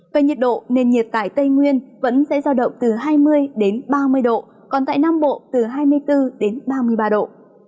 về nhiệt độ nền nhiệt tại tây nguyên vẫn sẽ giao động từ hai mươi ba mươi độ còn tại nam bộ từ hai mươi bốn đến ba mươi ba độ